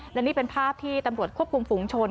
และนี่เป็นภาพที่ตำรวจควบคุมฝูงชน